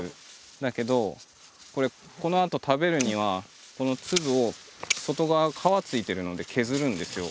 だけどこれこのあと食べるにはこの粒を外側皮ついてるので削るんですよ。